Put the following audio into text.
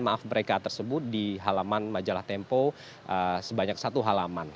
maaf mereka tersebut di halaman majalah tempo sebanyak satu halaman